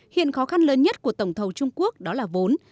hiện khó khăn lớn nhất của tổng thầu trung quốc đó là vốn